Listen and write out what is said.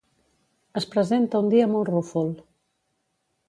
Es presenta un dia molt rúfol.